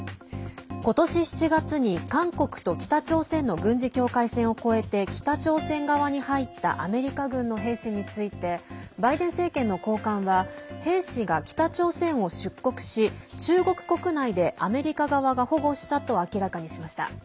今年７月に韓国と北朝鮮の軍事境界線を越えて北朝鮮側に入ったアメリカ軍の兵士についてバイデン政権の高官は兵士が北朝鮮を出国し中国国内でアメリカ側が保護したと明らかにしました。